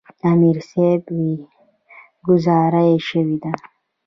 امیر صېب وې " ګذاره ئې شوې ده ـ